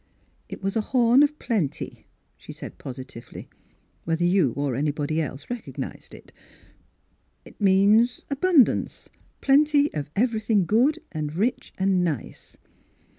." It was a horn of plenty !" she said positively, " whether you or anybody else recognised it. It — it means abundance — plenty of everything good and rich and nice!"